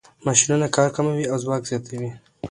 ماشینونه کار کموي او ځواک زیاتوي.